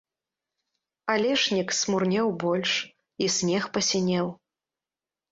Алешнік схмурнеў больш, і снег пасінеў.